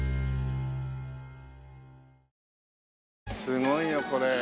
すごいねこれ。